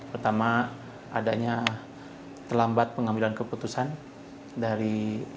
pertama adanya telambat pengambilan keputusan dari ibu